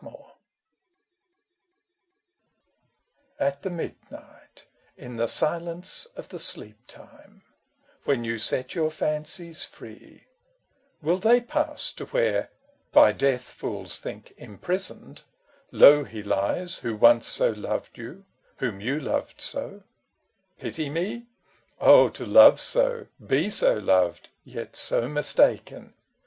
EPILOGUE At the midnight in the silence of the sleep time, When you set your fancies free, Will they pass to where — by death, fools think, im prisoned — Low he lies who once so loved you, whom you loved so, — Pity me ? Oh to love so, be so loved, yet so mistaken